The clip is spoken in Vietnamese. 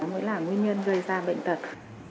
mới là nguyên nhân gây ra bệnh tật